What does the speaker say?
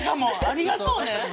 ありがとうね！